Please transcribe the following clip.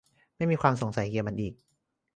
ไม่มีความสงสัยเกี่ยวกับมันอีก